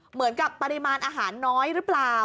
เหมือนกับปริมาณอาหารน้อยหรือเปล่า